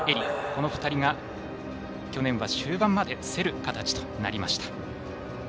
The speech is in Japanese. この２人が去年は終盤まで競る形となりました。